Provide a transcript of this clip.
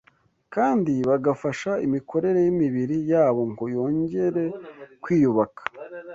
kandi bagafasha imikorere y’imibiri yabo ngo yongere kwiyubaka